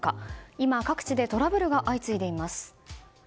今、各地でトラブルが相次いでいます。